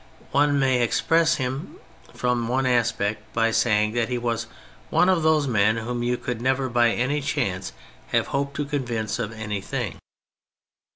One may express him from one aspect by saying that he was one of those men whom you could never by any chance have hoped to convince of anything.